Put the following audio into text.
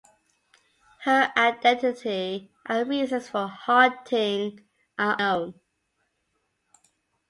Her identity and reasons for haunting are unknown.